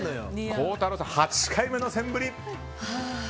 孝太郎さん、８回目のセンブリ。